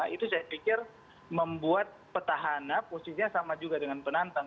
itu saya pikir membuat petahana posisinya sama juga dengan penantang